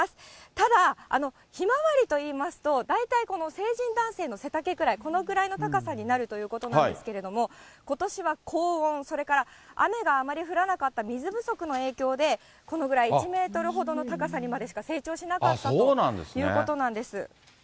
ただひまわりといいますと、大体この成人男性の背丈くらい、このくらいの高さになるということなんですけれども、ことしは高温、それから、雨があまり降らなかった水不足の影響で、このぐらい、１メートルほどの高さにまでしか成長しなかったということなんです。